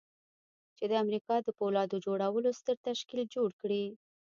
چې د امريکا د پولاد جوړولو ستر تشکيل جوړ کړي.